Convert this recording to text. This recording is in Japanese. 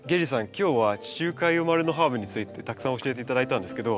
今日は地中海生まれのハーブについてたくさん教えて頂いたんですけど